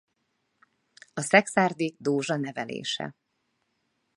A Szekszárdi Dózsa nevelése.